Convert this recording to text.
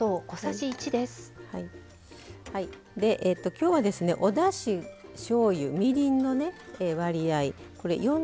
きょうは、おだししょうゆ、みりんの割合